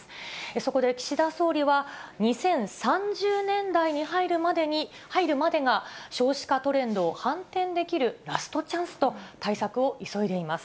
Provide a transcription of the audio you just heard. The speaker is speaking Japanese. そこで岸田総理は、２０３０年代に入るまでが、少子化トレンドを反転できるラストチャンスと、対策を急いでいます。